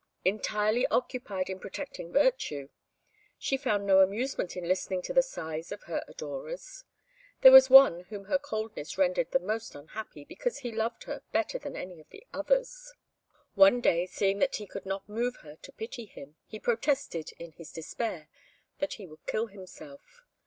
Entirely occupied in protecting virtue, she found no amusement in listening to the sighs of her adorers. There was one whom her coldness rendered the most unhappy, because he loved her better than any of the others. One day, seeing that he could not move her to pity him, he protested, in his despair, that he would kill himself.